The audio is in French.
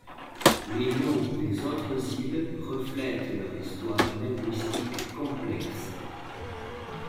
Les noms des autres îles reflètent leur histoire linguistique complexe.